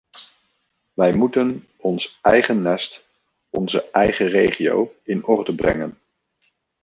Wij moeten ons eigen nest, onze eigen regio in orde brengen.